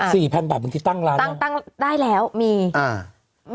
ขายของออนไลน์อย่างนี้หรอ